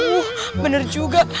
uh bener juga